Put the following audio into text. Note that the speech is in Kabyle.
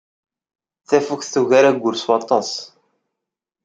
Tafukt tugar ayyur s waṭas.